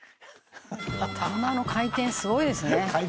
「頭の回転すごいですね」